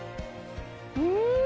うん！